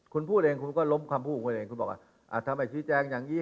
คุณพูดเองคุณก็ล้มคำพูดของคุณเองคุณบอกว่าทำไมชี้แจงอย่างนี้